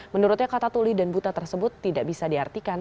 menurutnya kata tuli dan buta tersebut tidak bisa diartikan